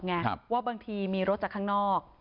ไงว่าบางทีมีรถจากข้างนอก